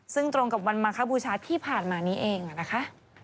ซึ่งตรงกับวันมาคบูชาที่ผ่านมานี้เองนะคะ